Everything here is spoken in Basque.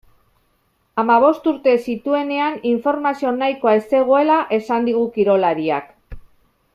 Hamabost urte zituenean informazio nahikoa ez zegoela esan digu kirolariak.